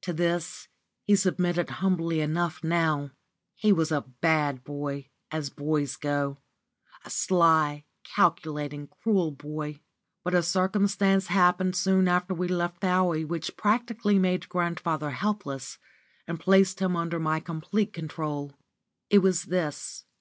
To this he submitted humbly enough now. He was a bad boy, as boys go a sly, calculating, cruel boy; but a circumstance happened soon after we left Fowey which practically made grandfather helpless, and placed him under my complete control. It was this.